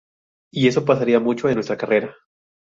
Y eso pasaría mucho en nuestra carrera.